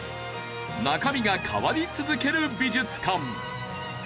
中身が変わり続ける美術館。